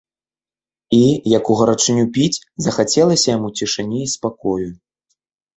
І, як у гарачыню піць, захацелася яму цішыні і спакою.